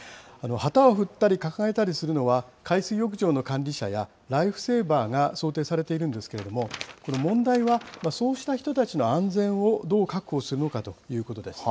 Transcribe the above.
旗を振ったり、掲げたりするのは、海水浴場の管理者やライフセーバーが想定されているんですけれども、この問題は、そうした人たちの安全をどう確保するのかということです。